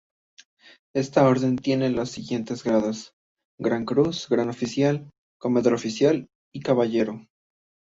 Esta Orden tiene los siguientes grados: Gran Cruz, Gran Oficial, Comendador, Oficial y Caballero.